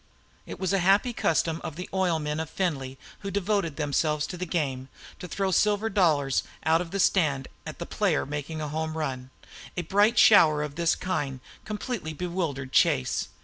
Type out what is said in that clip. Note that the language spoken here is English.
It was a happy custom of the oil men of Findlay, who devoted themselves to the game, to throw silver dollars out of the stand at the player making a home run. A bright shower of this kind completely bewildered Chase.